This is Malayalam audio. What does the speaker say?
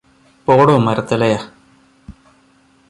പോടോ മരത്തലയ?